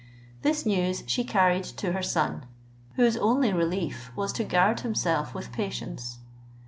This news she carried to her son, whose only relief was to guard himself with patience.